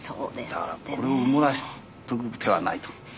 だからこれを埋もらせておく手はないと。